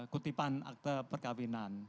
kutipan akte perkahwinan